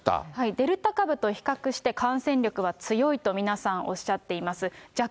デルタ株と比較して、感染力は強いと皆さんおっしゃっています。